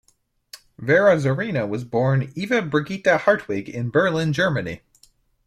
Vera Zorina was born Eva Brigitta Hartwig in Berlin, Germany.